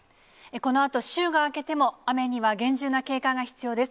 このあと週が明けても、雨には厳重な警戒が必要です。